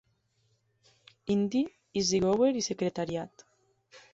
Indy, Easy Goer i Secretariat.